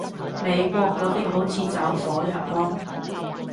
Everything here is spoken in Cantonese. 美國嗰啲好似走火入魔